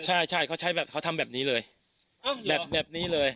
ใช่ใช่เขาใช้แบบเขาทำแบบนี้เลยแบบนี้เลย